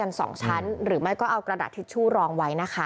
สองชั้นหรือไม่ก็เอากระดาษทิชชู่รองไว้นะคะ